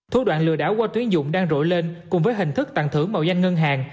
thủ đoạn lừa đảo qua tuyển dụng đang rội lên cùng với hình thức tặng thưởng mạo danh ngân hàng